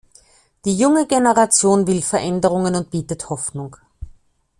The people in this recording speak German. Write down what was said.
Die junge Generation will Veränderung und bietet Hoffnung.